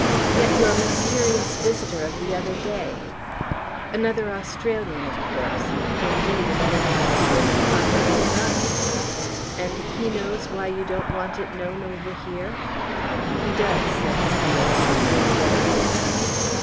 "Yet your mysterious visitor of the other day " "Another Australian, of course; indeed, another man who worked upon my own run." "And he knows why you don't want it known over here?" "He does," said Steel, with grim brevity.